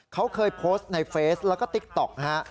เขาเคยโพสต์ในเฟสแล้วก็ติ๊กต๊อกนะฮะ